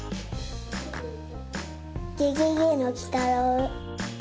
ゲゲゲのきたろう。